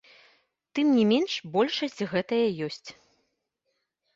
Тым не менш, большасць гэтая ёсць.